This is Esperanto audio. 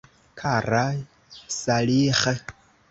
Kara Saliĥ.